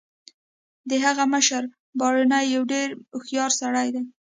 د هغه مشر بارني یو ډیر هوښیار سړی دی